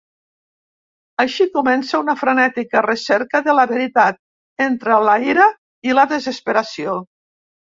Així comença una frenètica recerca de la veritat, entre la ira i la desesperació.